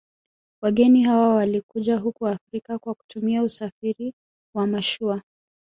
Wageni hawa walikuja huku Afrika kwa kutumia usafiri wa mashua